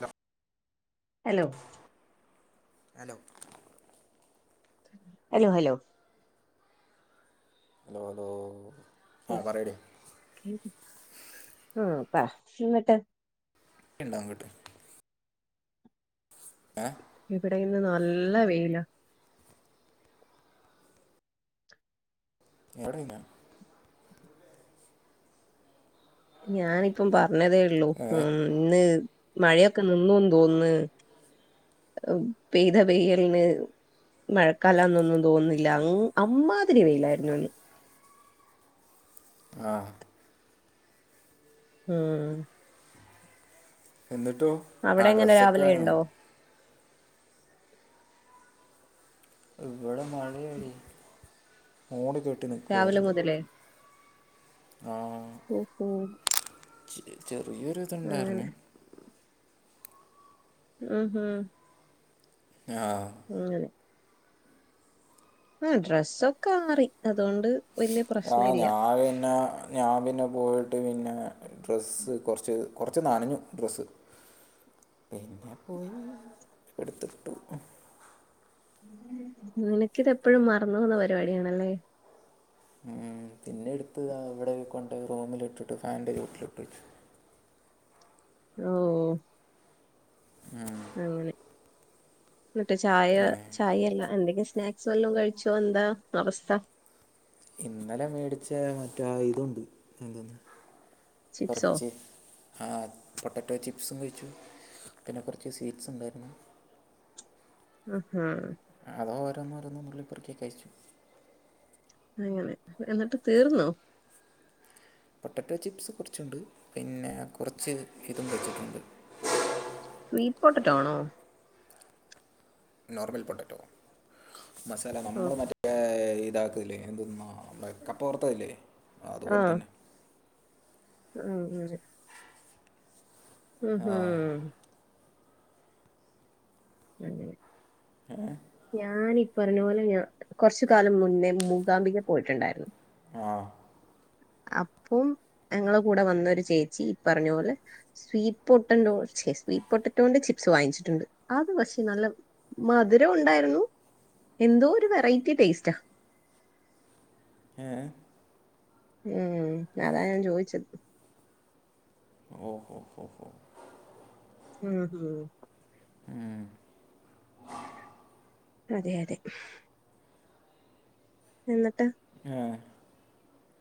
Hello hello hello hello hello അത അത ആഹ പറടി ആ പാ ചമട്ടെ ഉണ്ടാവൻ കേട്ട് ഏ ഇവിടെ ഇന്ന് നല്ല വെയില എവിടെങ്ങ ഞാനിപ്പം പറഞ്ഞതേ ഉള്ളൂ ഏ ഉ ഇന്ന് മഴയൊക്കെ നിന്നുന്ന് തോന്നുന്നു പെയ്ത പെയ്യലിന് മഴക്കാലംന്നൊന്നും തോന്നുന്നില്ല അമ്മാതിരി വെയിലായിരുന്നു എന്ന് ആ ഹം എന്നിട്ടോ ആ അവിടെ എങ്ങനെ അഡ്രസ്സൊക്കെ രാവിലെ ആ ഉണ്ടോ ഇവിടെ മഴയായി മോണ കെട്ടി രാവിലെ നക്കുവായിരുന്നു ആഹ ഉം ചെറിയൊരി ഇതുണ്ടായിരുന്നു ആഹ ഹഹ ആ ആ ഡ്രസ്സൊക്കെ മാറി അതുകൊണ്ട് വലിയ പ്രശ്ന ആ് ഇല്ല ഞാൻ പിന്നെ ഞാൻ പിന്നെ പോയിട്ട് പിന്നെ ഡ്രസ്സ് കൊറച്ച് കുറച്ച് നനഞ്ഞു ഡ്രസ്സ് പിന്നെ പോയി എടുത്തിട്ടു നിനക്കിതെപ്പോഴും മറന്നു പോോന്ന പരിപാടാണല്ലേ ഉ പിന്നെ എടുത്ത് അവിടെക്കൊണ്ട് റൂമിലിട്ടിട്ട് ഫാനി്റെ ചൂട്ടിലിട്ടിട്ട് ഓ അങ്ങനെ എന്നിട്ട് ചായ ഏ ചായയല്ല എന്തെങ്കും സ്നാക്സ് വല്ലാം കഴിച്ചോ എന്താ അവസ്ഥ ഇന്നലെ മേടിച്ച മറ്റ ഇതുണ്ട് എന്ത ചിപ്സോ കുറച്ച് ആഹ പൊട്ടറ്റോ ചിപ്സും കഴിച്ചു പിന്നെ കുറച്ച് സ്വീറ്റ്സ് ഉണ്ടായിരുന്നു ഉം അതോ ഓരോ [inaudible] അങ്ങനെ എന്നിട്ട് തീർന്നോ പൊട്ടാറ്റോ ചിപ്സ് കുറച്ചുണ്ട് പിന്നെ കുറച്ച് ഇതും വെച്ചിട്ടുണ്ട് ഇ പോട്ടറ്റാണോ നോർമൽ പൊട്ടാറ്റോ മസാല നമ്മൾ ഓഹ് മറ്റേ ഇതാക്കല്ലേ എന്തെന്നാ നമ്മുടെ കപ്പ വറത്തതല്ലേ അതുപോലെ തന്നെ ഉം ഉ ഉം ഹ ആ ഞാനി പറഞ്ഞ പോലെ ഞാൻ കുറച്ച കാലം മുന്നേ മൂകാംബിക പോയിട്ടുണ്ടായിരുന്നു ആ അപ്പം ഞങ്ങള കൂടെ വന്നൊരു ചേച്ചി ഈ പറഞ്ഞ പോോലെ സ്വീ പൊട്ടോ പെ സ്വീറ്റ് പൊട്ടറ്റോന്റെ ചിപ്സ് വാങ്ങിച്ചിട്ടുണ്ട് അത് പക്ഷേ നല്ല മധുരം ഉണ്ടായിരുന്നു എന്തോ ഒരു വെറൈറ്റി ടേസ്റ്റാ ഏ ഉം അതാ ഞാൻ ചോദിച്ചത് [inaudible] ഹ അതെ അതെ ന്നിട്ട് ആ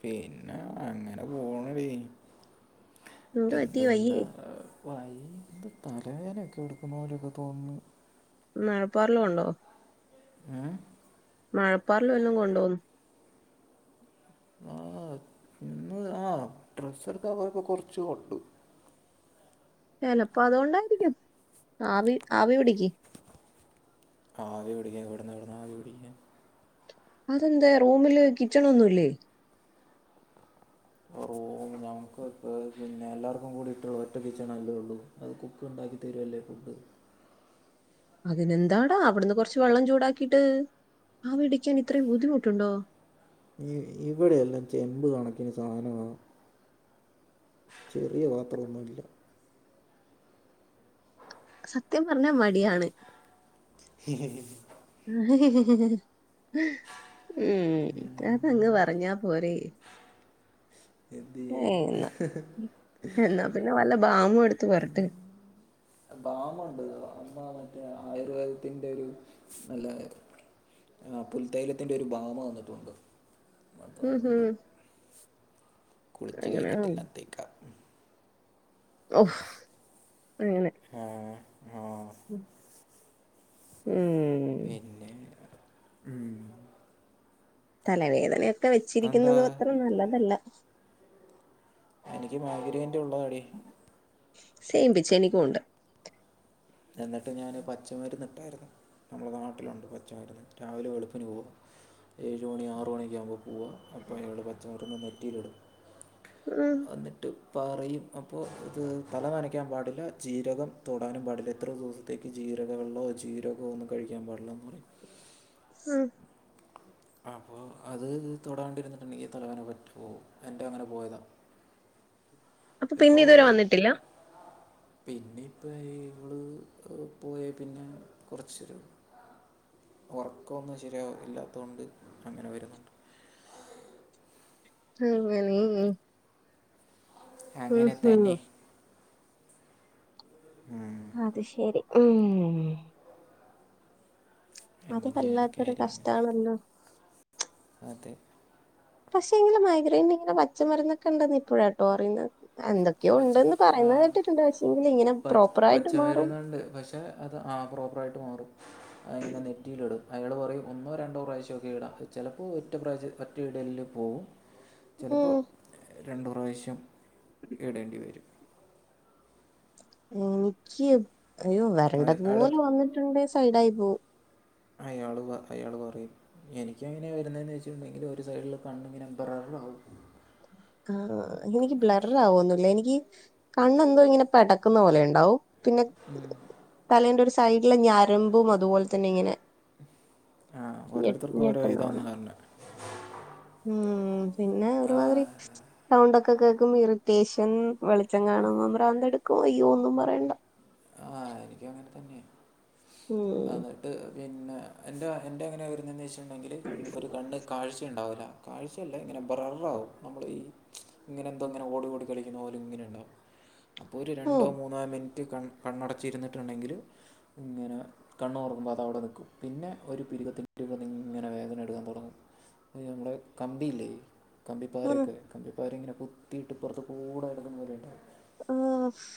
പിന്നെ അങ്ങനെ പോണീ എന്ത് പറ്റി എന്തെന്ന വയ്യേ വൈത് തലേനൊക്കെ എടുക്കുന്ന പോലെയൊക്കെ തോന്നുന്നു മേഴപ്പാറല് കൊണ്ടോ ഏ മഴപ്പാറൽ വല്ലം കൊണ്ടോന്ന് ആ പിന്ന ആ ഡ്രസ്സക്കെ അവരൊക്കെ കൊറച്ച് കൊണ്ടു ചിലപ്പോ അതുകൊണ്ടായിരിക്കും ആവി ആവി പിടിക്ക് ആവി പിടിക്കാൻ ഇവിടെ എവിടുന്ന് ആവി പിടിക്കാൻ അതെന്തെ റൂമില് കിച്ചണൊന്നുമില്ലേ? റൂം നമുക്ക് ഇപ്പോൾ പിന്നെ എല്ലാവർക്കും കൂടീട്ടുള്ളൂ ഒറ്റ കിച്ചണല്ലേ ഉള്ളൂ അത് കുക്ക് ഉണ്ടാക്കി തരുവല്ലേ ഫുഡ്. അതിനെന്താടാ അവിടുന്ന് കൊറച്ച് വെള്ളം ചൂടാക്കിട്ട് ആവി പിടിക്കാൻ ഇത്രയും ബുദ്ധിമുട്ടുണ്ടോ? ഇ ഇവിടെ എല്ലാം ചെമ്പ് കണക്കിന് സാധനമാ ചെറിയ പാത്രമൊന്നും ഇല്ല സത്യം പറഞ്ഞാ മടിയാണ്. ഉം അതങ്ങ് പറഞ്ഞാ പോരേ എന്നാ [inaudible] എന്നാ പിന്നെ വല്ല ബാമും എടുത്ത് പൊരട്ട് ബാമുണ്ട്. ബാമാ മറ്റേ ആയുർവേദത്തിന്റെ ഒരു നല്ല ആ പുൽത്തൈലത്തിന്റെ ഒരു ബാമ് വന്നിട്ടുണ്ട്. അപ്പോൾ ഉം അത് കുളിച്ച് അങ്ങനെ കഴിഞ്ഞിട്ട് എല്ലാം തേക്കാം അങ്ങനെ ആ, ആ, ഉം പിന്നെ തലവേദനയൊക്കെ എന്താ വെച്ചിരിക്കുന്നത് അത്ര നല്ലതല്ല എനിക്ക് മൈഗ്രേൻറെ ഉള്ളതാടി സേംപിച്ച് എനിക്കും ഉണ്ട് എന്നിട്ട് ഞാൻ പച്ചമരുന്ന് എടുത്താരുന്നു നമ്മളുടെ നാട്ടിലുണ്ട് പച്ചമരുന്ന്. രാവിലെ വെളുപ്പിന് പോകും ഏഴുമണി ആറുമണി യൊക്കെ ആകുമ്പം പോവുക അപ്പോൾ അയാളൊരു പച്ചമുരുന്ന് നെറ്റിയിലിടും ഉം അന്നിട്ട് പറയും അപ്പോൾ ഇത് തല നനയ്ക്കാൻ പാടില്ല ജീരകം തൊടാനും പാടില്ല ഇത്ര ദിവസത്തേക്ക് ജീരകവെള്ളമോ ജീരകമോ ഒന്നും കഴിക്കാൻ പാടില്ലെന്ന് പറയും ഉം അപ്പൊ അത് തൊടണ്ടിരുന്നിട്ടുണ്ടെങ്കി തലവനെ പറ്റു പോവും എന്റെ അങ്ങനെ പോയതാ [unintelligible] അപ്പൊ പിന്നെ ഇതുവരെ വന്നിട്ടില്ല പിന്നെ ഇപ്പം ഇവള് പോയേ പിന്നെ കുറച്ചൊരു ഒറക്കൊന്നും ശരിയാ ഇല്ലാത്തൊണ്ട് അങ്ങനെ വരുന്നുണ്ട് അങ്ങനെ ഉം അങ്ങനെ ഉം തന്നെ അത് ശെരി ഉം അത് അങ്ങനെയാണ് വല്ലാത്തൊരു കാര്യങ്ങൾ കഷ്ടാണല്ലോ അതെ പക്ഷെ ഇങ്ങനെ മൈഗ്രൈൻ ഇങ്ങനെ പച്ചമരുന്നൊക്കെ ഉണ്ടെന്ന് ഇപ്പോഴാട്ടോ അറിയുന്നത് എന്തൊക്കെയോ ഉണ്ടെന്ന് പറയുന്ന പച്ച കേട്ടിട്ടുണ്ട് പക്ഷെങ്കിൽ ഇങ്ങനെ പച്ച പ്രോപ്പർ പച്ച ആയിട്ട് മാറും മരുന്നുണ്ട് പക്ഷേ അത് ആ പ്രോ റായിട്ട് മാറും. അയിങ്ങനെ നെറ്റിയിൽ ഇടും അയാൾ പറയും ഒന്നോ രണ്ടോ പ്രാവശ്യമൊക്കെ ഇടാം ചിലപ്പോൾ ഒ റ്റ പ്രാവശ്യം ഒറ്റ ഇടലിനു പോവും ചിലപ്പോൾ ഉം രണ്ടു പ്രാവശ്യം ഇടേണ്ടിവരും എനിക്ക് അയ്യോ അയാൾ വരണ്ടതുപോലെ വന്നിട്ടുണ്ട് സൈഡായി പോം അയാള് അയാൾ പറയും എനിക്ക് എങ്ങനെയാ വരുന്നതെന്ന് വെച്ചിട്ടുണ്ടെങ്കിൽ ഒരു സൈഡില് കണ്ണിങ്ങനെ ബ്ര അഹാ [unintelligible] ആണോ ഇത് എനിക്ക് ബ്ലററ് ആവോന്നും ഇല്ല എനിക്ക് കണ്ണെന്തോ ഇങ്ങനെ പെടക്കുന്ന പോലെ ഇണ്ടാവും പിന്നെ തലേന്റെ ഒരു സൈഡിലെ ഞരമ്പും അതുപോലെ തന്നെ ഇങ്ങനെ ആ ഞെ ഓരോരുത്തർക്കും ഓരോ ഇതാന്ന് ഞെട്ടന്നോളിൻ പറഞ്ഞത് ഉം പിന്നെ ആ ഒരുമാതിരി സൗണ്ട് ഒക്ക് ഇത് കേൾക്കുമ്പം ഇറിറ്റേഷൻ വെളിച്ചം കാണുമ്പം പ്രാന്തെടുക്കും അയ്യോ ഒന്നും പറയണ്ട ആ എനിക്കും അങ്ങനെ തന്നെയ ഉം അന്നിട്ട് പിന്നെ എൻ്റെ എൻ്റെ അങ്ങനെ വരുന്നേന്ന് വെച്ചിട്ടുണ്ടെങ്കില് ഒരു കണ്ണ് കാഴ്ച ഉണ്ടാവില്ല കാഴ്ചയല്ല ഇങ്ങനെ ബ്രററാ ആകും നമ്മൾ ഈ ഇങ്ങനെ എന്തോ ഇങ്ങനെ ഓടി ഓടി കളിക്കുന്ന പോലും ഇങ്ങനെ ഇണ്ടാകും അപ്പോ ഒരു ഓ രണ്ടോ മൂന്നോ മിനിറ്റ് കണ് കണ്ണടച്ചിരുന്നിട്ടുണ്ടെങ്കില് ഇങ്ങനെ കണ്ണുറക്കുമ്പോ അതവിടെ നിക്കും പിന്നെ ഒരു പിരുകത്തിൻ്റെ ഇവിടുന്ന് ഇങ്ങനെ വേദന എടുക്കാൻ തുടങ്ങും ഇനി നമ്മടെ കമ്പിയില്ലേ ആ കമ്പിപാരൊക്കെ ല്ലേ കമ്പിപ്പാര ഇങ്ങനെ കുത്തിയിട്ട് ഇപ്പുറത്ത് കൂടെ ഇട്ക്കുന്ന ഒര്ത് ഓഫ്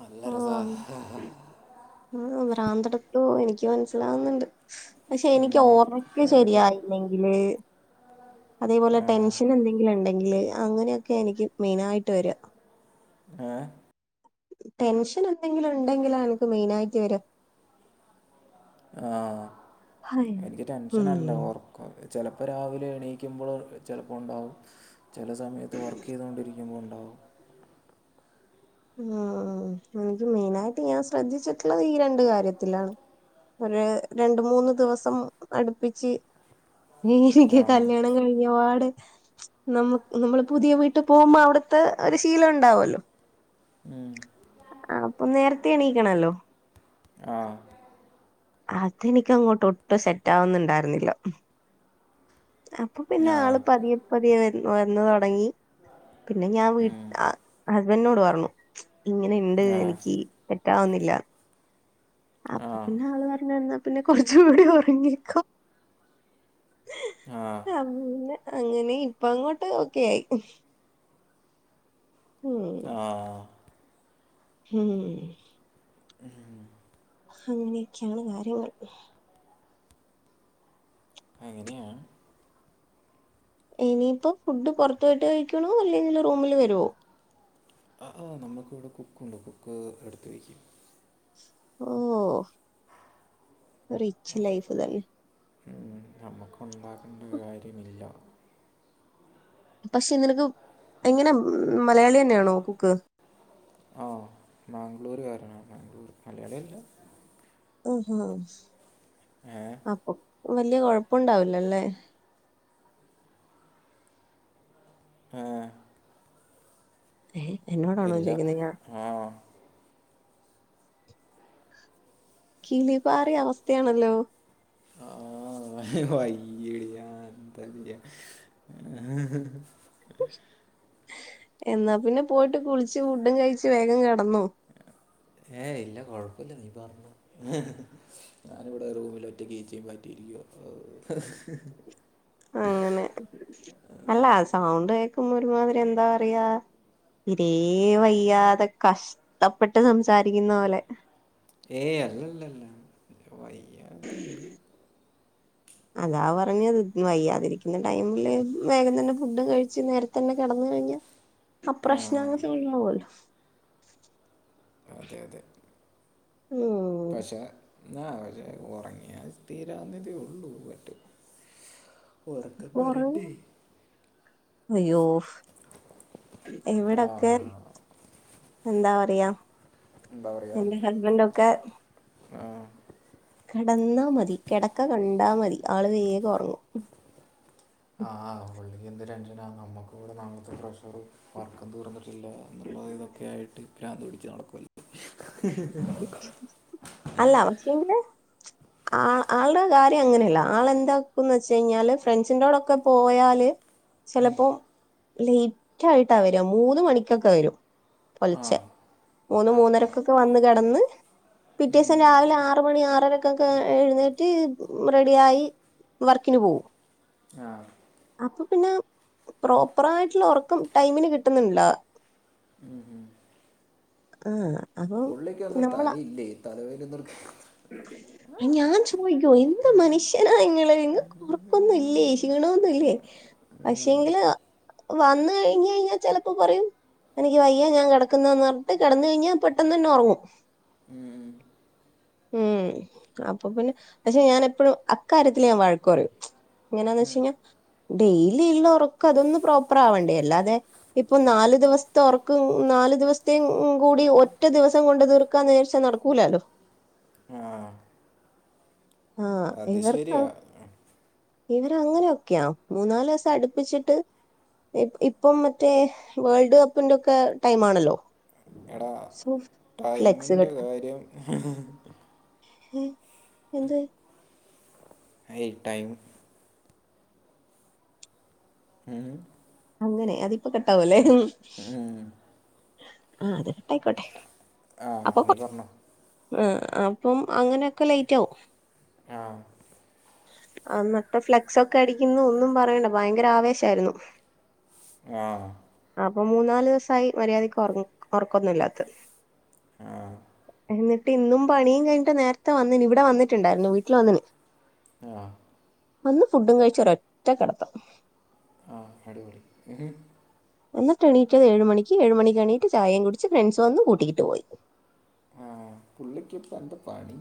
നല്ല ഓ ആ ഭ്രാന്തട്ത്തു എനിക്ക് മനസ്സിലാവുന്നുണ്ട് പക്ഷെ എനിക്ക് ഓർമിക്ക രസമാണ് ഇടയ്ക്ക് ശരിയായില്ലെങ്കില് അതേപോലെ ടെൻഷൻ എന്തെങ്കിലും ണ്ടെങ്കില് അങ്ങനെയൊക്കെ ആ എനിക്ക് മെയിനായിട്ട് വരിക ഏ ടെൻഷൻ എന്തെങ്കിലും ഉണ്ടെങ്കിലാ എനിക്ക് മെയിനായിട്ട് വരുക ആ എനിക്ക് ടെൻഷനല്ല ഉം ഓർക്കു ചെലപ്പോ രാവിലെ എണീക്കുമ്പള് ചിലപ്പോ ഉണ്ടാവും ചില സമയത്ത് വർക്ക് ചെയ്തുകൊണ്ടിരി ഞ്ഞിങ്ങുണ്ടാവും ഉം എനിക്ക് മെയിനായിട്ട് ഞാൻ ശ്രദ്ധിച്ചിട്ടുള്ളത് ഈ രണ്ട് കാര്യത്തിലാണ് ഒര് രണ്ട് മൂന്ന് ദിവസം അടുപ്പിച്ച് ദേ ആ എനിക്ക് കല്യാണം കഴിഞ്ഞപാട് നമ്മ നമ്മള് പുതിയ വീട്ടി പോവുമ്പോ അവിടുത്തെ ഒരു ശീലം ഇണ്ടാവുവല്ലോ ഉം ആ അപ്പൊ നേരത്തെ എണീക്കണല്ലോ ആ അതെനിക്കങ്ങോട്ട് ഒട്ടും സെറ്റാവിന്നിണ്ടായിരുന്നില്ല അപ്പൊ പിന്നെ ആ ആള് പതിയെ പതിയെ വെ വന്ന് തൊടങ്ങി പിന്നെ ഞാൻ വീ ആ ഹസ്ബൻനോട് പറഞ്ഞു ഇങ്ങനെ ഇണ്ട് ആ എനിക്ക് കാവുന്നില്ല ആ അപ്പൊ പിന്നെ ആള് പറഞ്ഞ് എന്നാ പിന്നെ കുറച്ചൂടി ഉറങ്ങിക്കോ ആ അന്ന് അങ്ങനെ ഇപ്പ അങ്ങോട്ട് ഓക്കെ ആയി ഉം ആ ഹ് [unintelligible] അങ്ങനെയൊക്കെ ആണ് കാര്യങ്ങൾ അങ്ങനെയാണ് ഇനിയിപ്പോ ഫുഡ് പുറത്ത് പോയിട്ട് കഴിക്കൂളളൂ അല്ലെങ്കില് റൂമില് വരോ ആ ആ നമ്മുക്ക്ഇവിടെ കുക്കുണ്ട് കുക്ക് എടുത്ത് വെക്കും ഓ റിച്ച് ലൈഫ് തന്നെ ഉം നമുക്കുണ്ടാക്കണ്ട കാര്യമില്ല പക്ഷെ നിനക്ക് എങ്ങനെ മലയാളി തന്നെയാണോ കുക്ക് ആ ബാംഗ്ലൂര് കാരനാണ് മലയാളി അല്ല അ ഹാ ഏ വലിയ കൊഴപ്പിണ്ടാവില്ല അല്ലേ ആ ഏ എന്നോടാണോ ചോയിക്കുന്നേ ഞാ ആ കീളി പാറിയ അവസ്ഥയാണല്ലോ ആ വയ്യ ആ [unintelligible] വതിയ എന്നാ പിന്നെ പോയിട്ട് കുളിച് ഫുഡും കഴിച്ചോ വേഗം കടന്നു ഏഹ ഇല്ല കൊഴപ്പില്ല നീ പറഞ്ഞു ഞാനിവിടെ റൂമിൽ ഒറ്റ കീച്ചൻ പറ്റിയില്ല [inaudible] അങ്ങനെ അല്ല സൗണ്ട് കേക്കുമ്പോൾ ഒരുമാതിരി എന്താ പറയ്യാ തീരെ വയ്യാതെ കഷ്ടപ്പെട്ട് സംസാരിക്കുന്ന പോലെ ഏ അല്ലല്ലല്ല വയ്യാനത്ത ഇണ്ട് അതാ പറഞ്ഞഞ്ത് വയ്യാതിരിക്കുന്ന ടൈമില് വേഗം തന്നെ ഫുഡ് കഴിച്ചോ നേരത്ത തന്നെ കിടന്ന കഴിഞ്ഞ ആ പ്രശ്നം അങ്ങ് തഴ പോലോ അതെ അതെ ഉം പക്ഷെ എന്നാ പക്ഷേ ഉറങ്ങിയാ തീരന്നീതിയേ ഉള്ളൂ ബട്ട്‌ ഉറക്കം വരണ്ടേ അയ്യോഫ് ആ ഇവിടൊക്കെ എന്താ പറയാ എന്താ പറയുക എന്റെ ഹസ്ബൻഡ ഒക്കെ ആ കിടന്നാ മതി കിടക്ക കണ്ടാ മതി ആള വേഗക ഉറങ്ങു ആഹ പള്ളിക്ക് എന്ത് രസമാണ് നമ്മക്ക് ഇവിടെ മാങ്ങാ തൊലി വർക്ക്‌ ഉം തീർന്നിട്ടില്ല പ്രഷറും എന്നുള്ളത് ഇതൊക്കെ ആയിട്ട് പ്രാന്ത് പിടിച്ച് നടക്കല്ല അല്ല ആ ആളുടെ കാര്യം അങ്ങനെയല്ല ആൾെന്താക്കുംന്ന് വെച്ച കഴിഞ്ഞാല് ഫ്രണ്ട്സിറോടൊക്കെ പോയാല് ചിലപ്പോ ലേറ്റ് ആയിട്ടാ വര മൂന്ന മണിക്കൊക്കെ വരും ആ പുലർച്ചെ മൂന്ന് ആ ഉം. മൂന്നരക്കൊക്കെ വന്ന് കിടന്ന് പിറ്റേ ദിവസം ഉം. രാവിലെ ആറ മണി ആറര എഴുന്നേറ്റ് റെഡിയ ആയി വർക്കിന് പോകവും ആ അപ്പൊ പിന്നെ പ്രോപ്പറായിട്ടുള്ള ഉറക്കം ടൈമിന് കിട്ടുന്നുില്ലോ ഉം ഉ ആ അപ്പം പുള്ളള്ളിക്ക് ഒന്നും തലയില്ലേ തലവേദന ഒക്കെ എടുക്കല്ലേ അ ഞാൻ ചോദിക്കോ എന്ത മനുഷ്യനാ ഇങ്ങൾ നികൾക് ഒറക്കം ഓണം ഇല്ലേ ക്ഷീണമന്നല്ലേ പക്ഷെങ്കില് വന്ന കഴിഞ്ഞ കഴിഞ്ഞാൽ ചിലപ്പോ പറയും എനിക്ക് വയ്യ ഞാൻ കിടക്കുന്നന്ന് പറഞ്ഞിട്ട് കിടന്ന കഴിഞ്ഞാൽ പെട്ടെന്ന് തന്നെ ഉറങ്ങും ആ ഉം അപ്പൊ പിന്നെ പക്ഷെ ഞാൻ എപ്പോഴും ആ കാര്യത്തിൽ ഞാൻ വഴക് പറയും എങ്ങനാന്ന് വെച്ച കാ ഡെയിലി ഉള്ള ഉറക്ക അതൊന്നും പ്രോപ്പർ ആവണ്ടേ അല്ലാതെ ഇപ്പൊ നാല് ദിവസത്തെ ഉറക്ക് നാല് ദിവസത്തേ കൂടി ഒറ്റ ദിവസം കൊണ്ട് തീർക്കാൻ നേർച്ച നടക്കൂലാലോ ആഹ അത് ഇവർക്കാ ശരിയാ ഇവരങ്ങനെൊക്കെയാ മൂന്നാാലല് ദിവസം അടുപ്പിച്ചിട്ട് ഇപ്പം മറ്റേ വേൾഡ് കപ്പിന്റെൊക്കെ ടൈം ആണല്ലോ എടാ സോ ഫ്ലെക്സ് ടൈമിന്റെ കെട്ട് കാര്യം എന്ത് എ ടൈം ഉം അങ്ങനെ അതിപ്പോ കെട്ടാവല്ലേ ഉം. ആ അത് കേട്ടായിക്കോട്ടെ ആ നീ പറന്നോ ആ അപ്പം അങ്ങനെയൊക്കെ ലേറ്റ് ആവും ആ ആന്നത്ത ഫ്ലെക്സ് ഒക്കെ അടിക്കുന്നു ഒന്നും പറയണ്ട ഭയങ്കര ആവേശായിരുന്നു [unintelligible] ആ അപ്പം മൂന്നാല് ദിവസായി മര്യാദയ്ക്ക് ഒറങ് ഒറക്കൊന്നില്ലാത്ത ആ എന്നിട്ട് ഇന്നും പണിയും കഴിഞ്ഞിട്ട് നേരത്തെ വന്നിന് ഇവിടെ വന്നിട്ടുണ്ടായിരുന്നു വീട്ടിൽ വന്നിന് ആ വന്ന് ഫുഡും കഴിചൊരൊറ്റ കെടത്തം ആ അടിപൊളി [unintelligible] എന്നിട്ട് എണീറ്റത് ഏഴ് മണിക്ക് ഏഴുമണിക്ക് എണീറ്റ് ചായയും കുടിച്ച് ഫ്രണ്ട്സ് വന്നു കൂട്ടിയിട്ട് പോയി [unintelligible] പുള്ളിക്ക് ഇപ്പം എന്താ പണി